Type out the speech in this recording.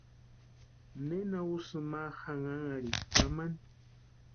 ¿Nena úsïni ma janhanharhikwa kamani?